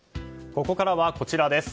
ここからは、こちらです。